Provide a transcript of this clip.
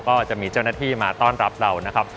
ก็จะมีเจ้าหน้าที่มาต้อนรับเรานะครับ